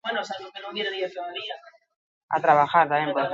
Transmisioa zen olaren zinezko funtzioa.